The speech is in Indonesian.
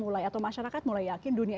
mulai atau masyarakat mulai yakin dunia